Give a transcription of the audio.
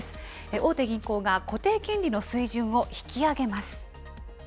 大手銀行が固定金利の水準を引き上げます。